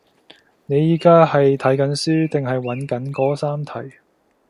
你而家係睇緊書定係揾緊嗰三題？